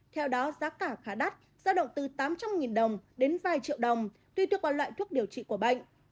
theo đó giá cả khá đắt ra động từ tám trăm linh đồng đến vài triệu đồng tuy thuộc vào loại thuốc điều trị của bệnh